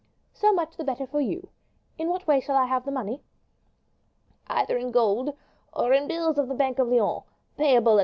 "So much the better for you. In what way shall I have the money?" "Either in gold, or in bills of the bank of Lyons, payable at M.